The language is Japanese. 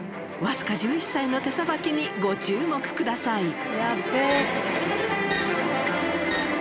僅か１１歳の手さばきにご注目ください。